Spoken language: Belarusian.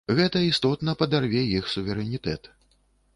Гэта істотна падарве іх суверэнітэт.